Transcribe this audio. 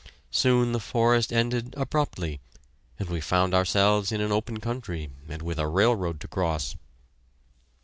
Soon the forest ended abruptly, and we found ourselves in an open country, and with a railroad to cross.